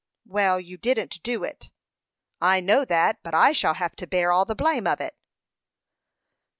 "Well, you didn't do it." "I know that; but I shall have to bear all the blame of it."